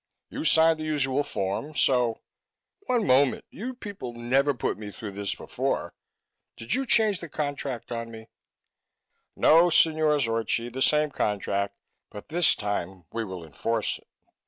You signed the usual form, so " "One moment! You people never put me through this before! Did you change the contract on me?" "No, Signore Zorchi. The same contract, but this time we will enforce it.